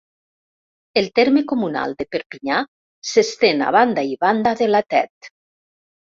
El terme comunal de Perpinyà s'estén a banda i banda de la Tet.